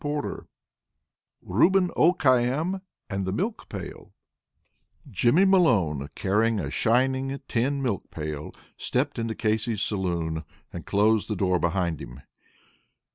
Chapter II RUBEN O'KHAYAM AND THE MILK PAIL Jimmy Malone, carrying a shinning tin milk pail, stepped into Casey's saloon and closed the door behind him.